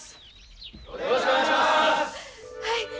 はい。